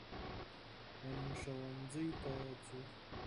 نن ښوونځي ته ځو